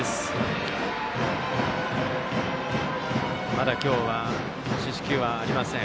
まだ今日は四死球はありません。